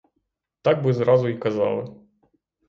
Так би зразу й казали!